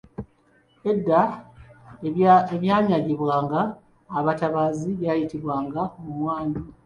Edda ebyanyagibwanga nga abatabaazi byayitibwanga omwandu.